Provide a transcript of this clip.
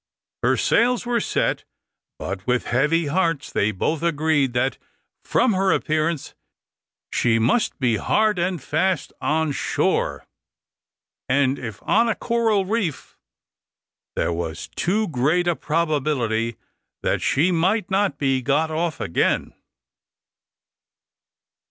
Her sails were set, but with heavy hearts, they both agreed that, from her appearance, she must be hard and fast on shore, and if on a coral reef there was too great a probability that she might not be got off again.